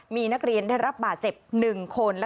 มีนักเรียนได้รับบาดเจ็บ๑คน